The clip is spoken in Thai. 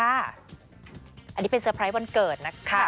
อันนี้เป็นเซอร์ไพรส์วันเกิดนะคะ